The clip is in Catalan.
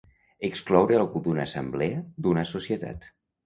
Excloure algú d'una assemblea, d'una societat.